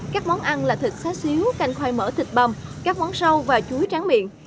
các món ăn là thịt xá xíu canh khoai mỡ thịt bằm các món sâu và chuối tráng miệng